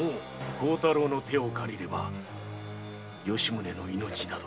孝太郎の手を借りれば吉宗の命など。